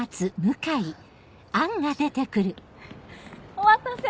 お待たせ。